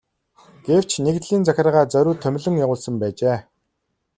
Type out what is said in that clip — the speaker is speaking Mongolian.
Гэвч нэгдлийн захиргаа зориуд томилон явуулсан байжээ.